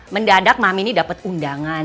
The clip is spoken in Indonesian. mendadak mami ini dapat undangan